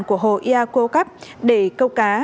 của hồ yakukap để câu cá